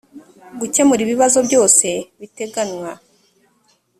gukemura ibibazo byose biteganywa